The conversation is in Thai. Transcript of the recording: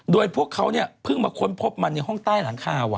โดยพวกเขาเนี่ยเพิ่งมาค้นพบมันในห้องใต้หลังคา